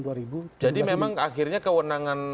jadi memang akhirnya kewenangan